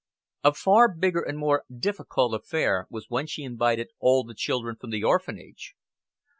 A far bigger and more difficult affair was when she invited all the children from the Orphanage.